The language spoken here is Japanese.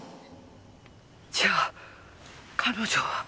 じゃあ彼女は。